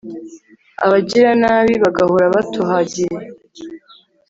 abagiranabi bagahora batohagiye